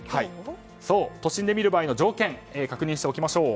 都心で見る場合の条件を確認しておきましょう。